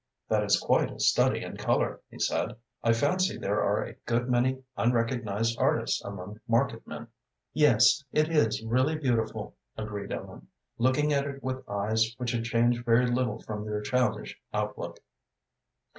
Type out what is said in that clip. "That is quite a study in color," he said. "I fancy there are a good many unrecognized artists among market men." "Yes, it is really beautiful," agreed Ellen, looking at it with eyes which had changed very little from their childish outlook.